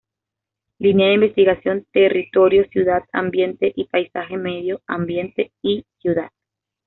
Línea de Investigación: Territorio-Ciudad-Ambiente y Paisaje-Medio Ambiente y Ciudad.